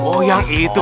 oh yang itu